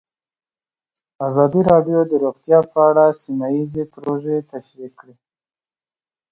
ازادي راډیو د روغتیا په اړه سیمه ییزې پروژې تشریح کړې.